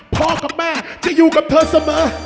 พ่อกับแม่จะอยู่กับเธอเสมอ